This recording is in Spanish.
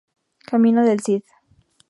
Camino del Cid.